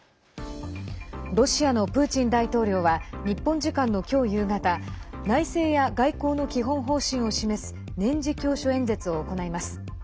ロシアのプーチン大統領は日本時間の今日夕方内政や外交の基本方針を示す年次教書演説を行います。